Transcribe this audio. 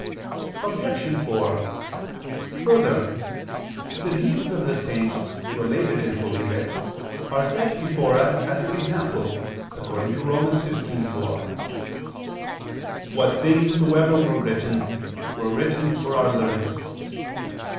Obj. 4: Further, the deeds of the saints related in Holy Writ are set before us as an example, according to Rom. 15:4, "What things soever were written, were written for our learning."